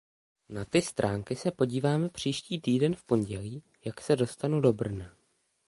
Na ty stránky se podíváme příští týden v pondělí, jak se dostanu do Brna.